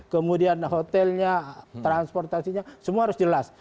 kemudian hotelnya transportasinya semua harus jelas